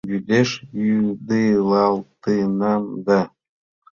Вӱдеш вӱдылалтынам да